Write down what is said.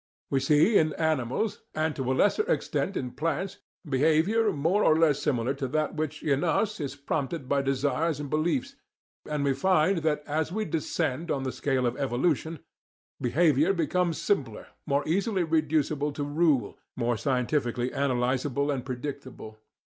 We see in animals, and to a lesser extent in plants, behaviour more or less similar to that which, in us, is prompted by desires and beliefs, and we find that, as we descend in the scale of evolution, behaviour becomes simpler, more easily reducible to rule, more scientifically analysable and predictable.